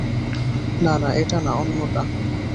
না না এটা না অন্যটা।